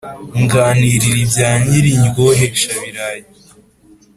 Nganirira ibya nyirindyoheshabirayi